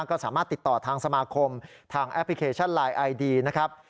ก็สามารถติดต่อทางสมาคมทางแอปพลิเคชันไลน์ไอดีนะครับ